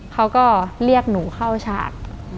เขาก็เรียกหนูเข้าฉาก